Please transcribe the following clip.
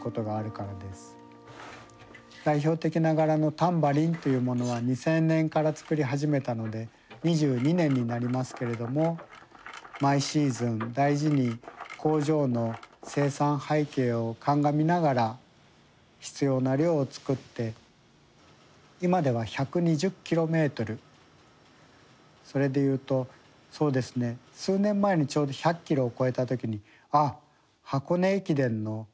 代表的な柄のタンバリンというものは２０００年から作り始めたので２２年になりますけれども毎シーズン大事に工場の生産背景を鑑みながら必要な量を作って今では１２０キロメートルそれでいうとそうですね数年前にちょうど１００キロを超えた時に「あっ箱根駅伝の片道か」と。